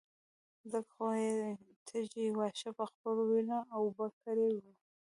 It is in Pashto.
ځکه خو يې تږي واښه په خپلو وينو اوبه کړي وو.